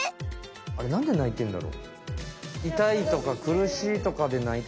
あれなんで泣いてんだろ？